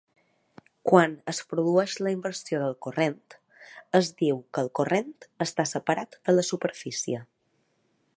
Quan es produeix la inversió del corrent, es diu que el corrent està separat de la superfície.